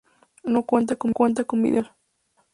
No cuenta con video musical.